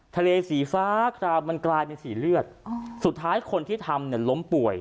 ทะเลสีฟ้าคราวมันกลายเป็นสีเลือดสุดท้ายคนที่ทำเนี่ยล้มป่วย